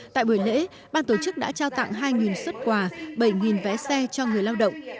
tại buổi lễ ban tổ chức đã trao tặng hai xuất quà bảy vé xe cho người lao động